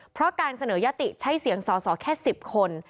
เพราะการเสนอยติใช้เสียงสอสอแค่๑๐คน